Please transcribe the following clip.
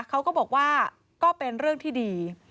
เขาก็บอกว่าก็เป็นเรื่องที่ดี